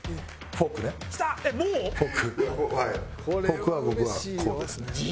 フォークは僕はこうですね。